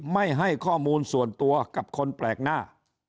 ไม่ให้ข้อมูลส่วนตัวกับคนแปลกหน้า